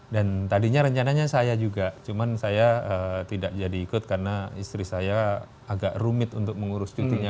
tadinya rencananya saya juga cuman saya tidak jadi ikut karena istri saya agak rumit untuk mengurus cutinya